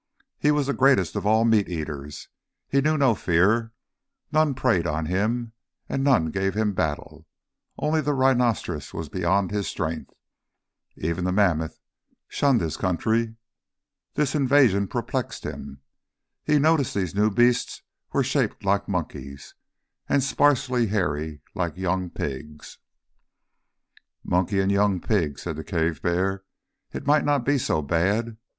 He was the greatest of all meat eaters; he knew no fear, none preyed on him, and none gave him battle; only the rhinoceros was beyond his strength. Even the mammoth shunned his country. This invasion perplexed him. He noticed these new beasts were shaped like monkeys, and sparsely hairy like young pigs. "Monkey and young pig," said the cave bear. "It might not be so bad.